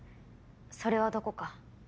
それはどこか。